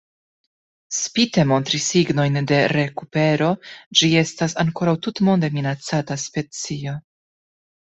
Spite montri signojn de rekupero, ĝi estas ankoraŭ tutmonde minacata specio.